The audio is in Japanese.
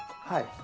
はい。